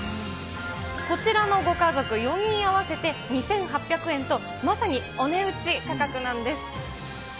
こちらのご家族４人合わせて２８００円と、まさにお値打ち価格なんです。